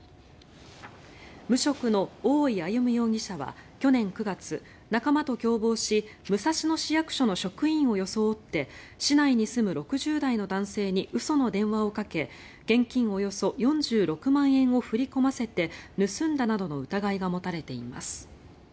無職の大井歩容疑者は去年９月、仲間と共謀し武蔵野市役所の職員を装って市内に住む６０代の男性に嘘の電話をかけ現金およそ４６万円を振り込ませて盗んだなどの疑いが持たれています。